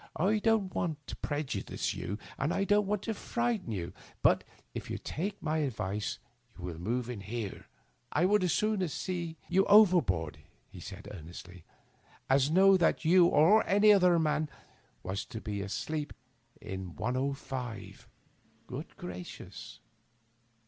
I don't want to prejudice you, and I don't want to frighten you, but if you take my advice you will move in here, I would as soon see you overboard," he added, earnestly, "as know that you or any other man was to sleep in 105." "Good gracious!